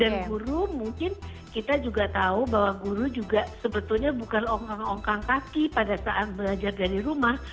dan guru mungkin kita juga tahu bahwa guru juga sebetulnya bukan ongkang ongkang kaki pada saat belajar dari rumah